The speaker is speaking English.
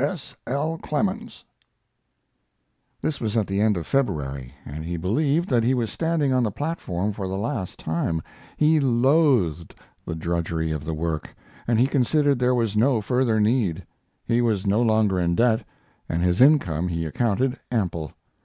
S. L. CLEMENS. This was at the end of February, and he believed that he was standing on the platform for the last time. He loathed the drudgery of the work, and he considered there was no further need. He was no longer in debt, and his income he accounted ample.